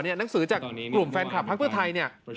หนังสือจากกลุ่มแฟนคลับพรรคเพื่อไทย